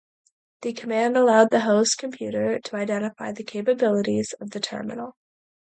The command allowed the host computer to identify the capabilities of the terminal.